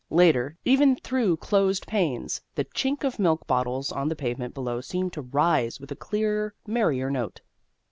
Later, even through closed panes, the chink of milk bottles on the pavement below seemed to rise with a clearer, merrier note.